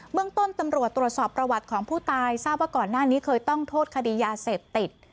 เมืองต้นตำรวจตรวจสอบประวัติของผู้ตายทราบว่าก่อนหน้านี้เคยต้องโทษคดียาเสพติด